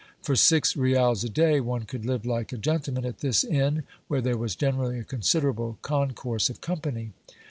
For six reals a day one could live like a gentleman at this inn, where there was generally a considerable concourse of company.